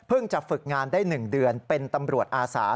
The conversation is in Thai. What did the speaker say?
จะฝึกงานได้๑เดือนเป็นตำรวจอาสา